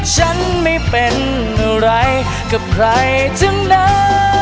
ฉันไม่เป็นอะไรกับใครทั้งนั้น